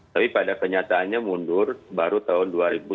tapi pada kenyataannya mundur baru tahun dua ribu sebelas